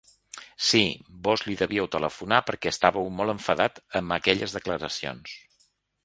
Sí, vós li devíeu telefona perquè estàveu molt enfadat amb aquelles declaracions.